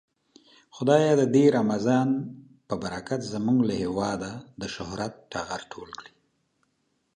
خدايه د دې رمضان په برکت زمونږ له هيواده د شهرت ټغر ټول کړې.